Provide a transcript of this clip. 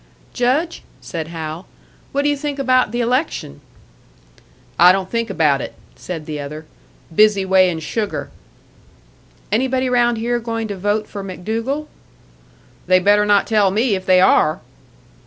"Judge," said Hal, "what do you think about the election?" "I don't think about it," said the other. "Busy weighin' sugar." "Anybody round here going to vote for MacDougall?" "They better not tell me if they are!"